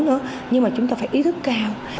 nữa nhưng mà chúng ta phải ý thức cao